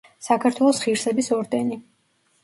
საქართველოს ღირსების ორდენი.